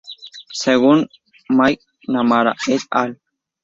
Según McNamara "et al.